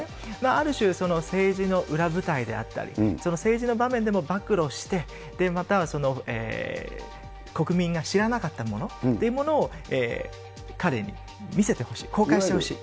ある種、政治の裏舞台であったり、その政治の場面でも暴露して、また国民が知らなかったものを彼に見せてほしい、公開してほしい。